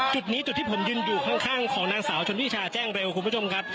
จุดนี้จุดที่ผมยืนอยู่ข้างของนางสาวชนวิชาแจ้งเร็วคุณผู้ชมครับ